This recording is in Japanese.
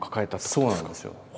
そうなんですよ。